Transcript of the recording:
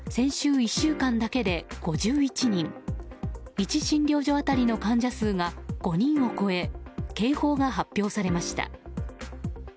１診療所当たりの患者数が５人を超え警報が発表されました。